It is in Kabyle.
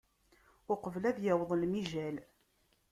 Uqbel ad yaweḍ lemijal.